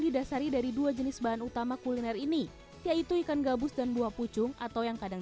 didasari dari dua jenis bahan utama kuliner ini yaitu ikan gabus dan buah pucung atau yang kadang